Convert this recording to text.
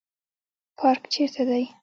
پارک چیرته دی؟